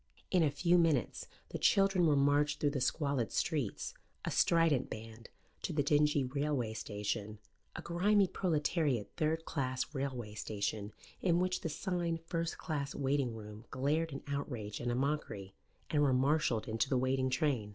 In a few minutes the children were marched through the squalid streets, a strident band, to the dingy railway station, a grimy proletariat third class railway station in which the sign "First Class Waiting Room" glared an outrage and a mockery, and were marshalled into the waiting train.